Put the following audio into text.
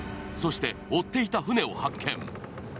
そして、追っていた船を発見。